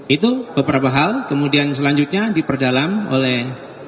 itu beberapa hal kemudian selanjutnya diperdalam oleh